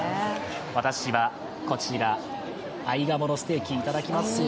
私はこちら、合鴨のステーキをいただきますよ。